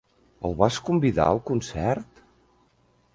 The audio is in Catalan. El vas convidar al concert?